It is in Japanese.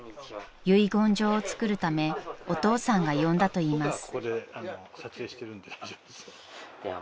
［遺言状を作るためお父さんが呼んだといいます］